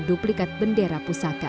duplikat bendera pusaka